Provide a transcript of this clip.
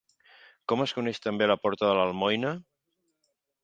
Com es coneix també la porta de l'Almoina?